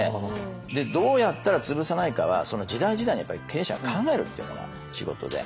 どうやったらつぶさないかはその時代時代に経営者が考えるっていうのが仕事で。